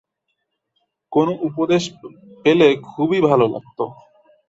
কোনো উপদেশ পেলে খুবই ভালো লাগত।